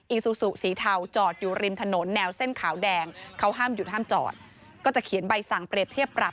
ซูซูสีเทาจอดอยู่ริมถนนแนวเส้นขาวแดงเขาห้ามหยุดห้ามจอดก็จะเขียนใบสั่งเปรียบเทียบปรับ